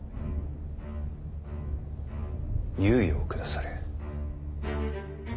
猶予を下され。